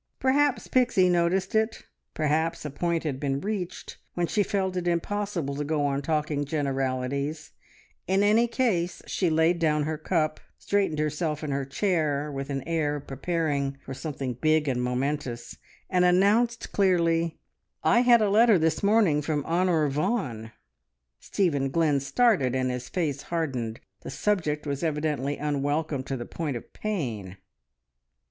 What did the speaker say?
Perhaps Pixie noticed it, perhaps a point had been reached when she felt it impossible to go on talking generalities; in any case, she laid down her cup, straightened herself in her chair with an air of preparing for something big and momentous, and announced clearly "I had a letter this morning from Honor Vaughan." Stephen Glynn started, and his face hardened. The subject was evidently unwelcome to the point of pain.